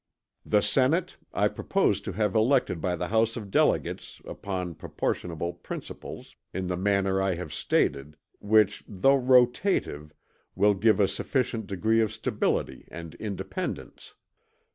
"The Senate, I propose to have elected by the House of Delegates, upon proportionable principles, in the manner I have stated, which though rotative, will give a sufficient degree of stability and independence.